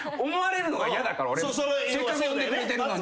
せっかく呼んでくれてるのに。